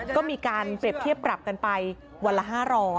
ก็มีการเปรียบเทียบปรับกันไปวันละ๕๐๐